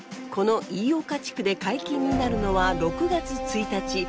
この飯岡地区で解禁になるのは６月１日。